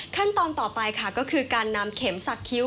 ขั้นตอนต่อไปค่ะก็คือการนำเข็มสักคิ้ว